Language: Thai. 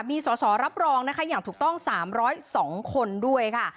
มีสอสอรับรองนะคะอย่างถูกต้องสามร้อยสองคนด้วยค่ะ